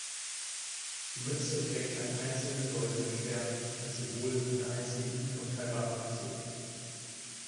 Die Mütze trägt einen einzelnen goldenen Stern als Symbol einer einzigen und unteilbaren Nation.